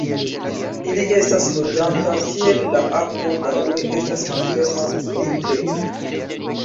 Ili estas loĝanta kie la akvo daŭre estas malferma vintre.